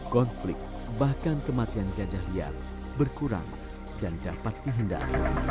konflik bahkan kematian gajah lia berkurang dan dapat dihendak